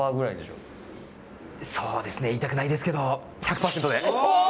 そうですね言いたくないですけどおお！